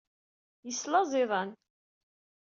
Yeslaẓ iḍan.